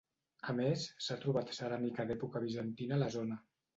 A més, s'ha trobat ceràmica d'època bizantina a la zona.